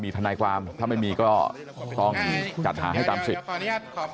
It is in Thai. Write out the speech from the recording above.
ถ้าไม่มีก็ต้องจัดหาให้ตามสิทธิ์